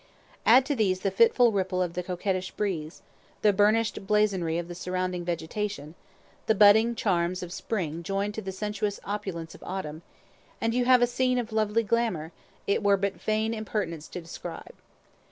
Add to these the fitful ripple of the coquettish breeze, the burnished blazonry of the surrounding vegetation, the budding charms of spring joined to the sensuous opulence of autumn, and you have a scene of lovely glamour it were but vain impertinence to describe.